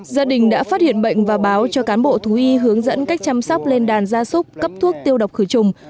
gia đình đã phát hiện bệnh và báo cho cán bộ thú y hướng dẫn cách chăm sóc lên đàn gia súc cấp thuốc tiêu độc khử trùng